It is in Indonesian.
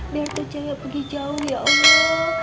biar tuh cewek pergi jauh ya allah